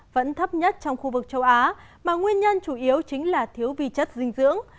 vẫn thấp nhất trong khu vực châu á mà nguyên nhân chủ yếu chính là thiếu vi chất dinh dưỡng